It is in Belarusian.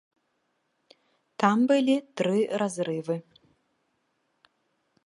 Там былі тры разрывы.